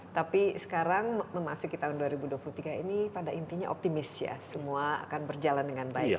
tapi sekarang memasuki tahun dua ribu dua puluh tiga ini pada intinya optimis ya semua akan berjalan dengan baik